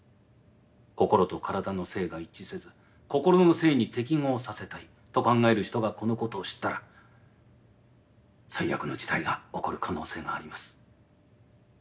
心と体の性が一致せず心の性に適合させたいと考える人がこのことを知ったら最悪の事態が起こる可能性があります。